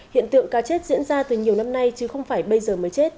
hiện tượng cá chết diễn ra từ nhiều năm nay chứ không phải bây giờ mới chết